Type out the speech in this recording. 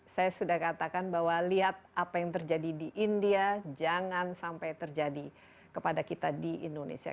saya sudah katakan bahwa lihat apa yang terjadi di india jangan sampai terjadi kepada kita di indonesia